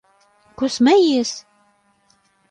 Ko smejies?